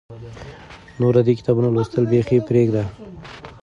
نور د دې کتابونو لوستل بیخي پرېږده.